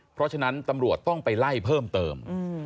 เพราะฉะนั้นตำรวจต้องไปไล่เพิ่มเติม